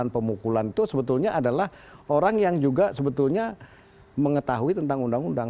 pemukulan itu sebetulnya adalah orang yang juga sebetulnya mengetahui tentang undang undang